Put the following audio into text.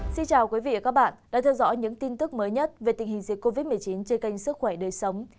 xin chào quý vị và các bạn đã theo dõi những tin tức mới nhất về tình hình dịch covid một mươi chín trên kênh sức khỏe đời sống